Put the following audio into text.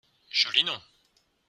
Joli nom